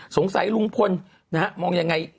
สงสัยลุงพลมองอย่างไร